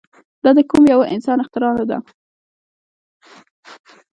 دا د کوم يوه انسان اختراع نه ده.